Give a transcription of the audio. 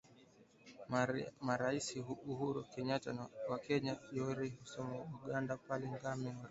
Marais Uhuru Kenyata wa Kenya, Yoweri Museveni wa Uganda, na Paul Kagame wa Rwanda Ijumaa walizindua ramani